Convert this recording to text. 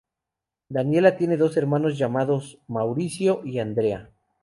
Daniela tiene dos hermanos llamados Mauricio y Andrea.